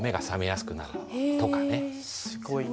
すごいな。